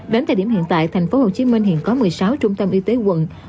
đến thời điểm hiện tại thành phố hồ chí minh hiện có một mươi sáu trung tâm y tế quận